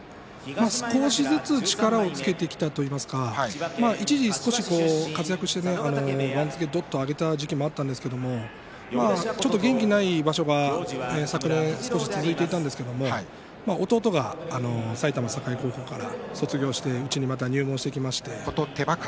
少しずつ力をつけてきたといいますか一時、少し活躍して番付をどっと上げた時期があったんですけれどちょっと元気ない場所が少し続いていたんですけれど弟が埼玉栄高校から卒業してうちにまた入門してきまして。